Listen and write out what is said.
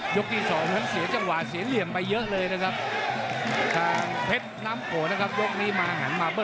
ยกที่๒เหมือนเสียเจลาหวานเสียเหลี่ยงไปเยอะเลยนะครับ